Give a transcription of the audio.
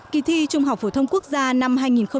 kỳ thi trung học phổ thông quốc gia năm hai nghìn một mươi tám